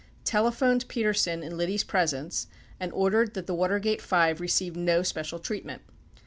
telephoned Petersen in Liddy's presence and ordered that the Watergate five receive no special treatment.